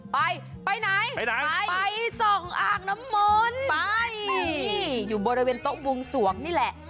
ไปไปไหนไปไหนไปส่องอ่างน้ำมนต์ไปอยู่บริเวณโต๊ะวงสวงนี่แหละ